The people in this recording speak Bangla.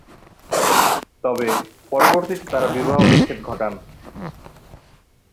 তবে, পরবর্তীতে তারা বিবাহ-বিচ্ছেদ ঘটান।